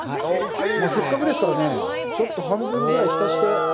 せっかくですからね、ちょっと半分ぐらい浸して。